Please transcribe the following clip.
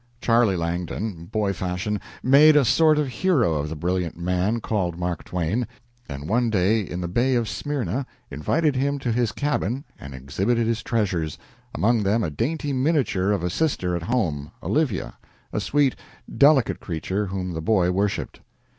Charlie Langdon, boy fashion, made a sort of hero of the brilliant man called Mark Twain, and one day in the Bay of Smyrna invited him to his cabin and exhibited his treasures, among them a dainty miniature of a sister at home, Olivia, a sweet, delicate creature whom the boy worshiped.